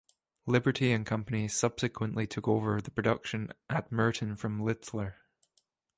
Liberty and Company subsequently took over the production at Merton from Littler.